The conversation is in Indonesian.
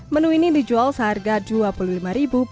menu ini dijual seharga rp dua puluh lima